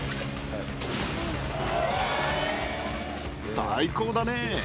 最高だね。